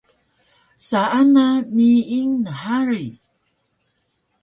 Saan na miying nhari